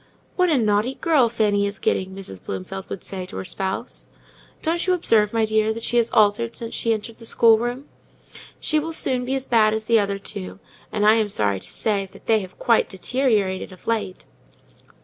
"What a naughty girl Fanny is getting!" Mrs. Bloomfield would say to her spouse. "Don't you observe, my dear, how she is altered since she entered the schoolroom? She will soon be as bad as the other two; and, I am sorry to say, they have quite deteriorated of late."